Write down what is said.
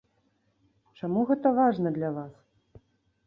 Чаму гэта важна для вас?